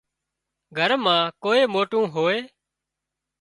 گھر مان ڪوئي موٽو هوئي